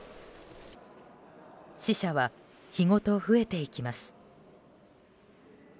死者は日ごと増えていきます。